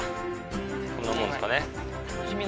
こんなもんですかね。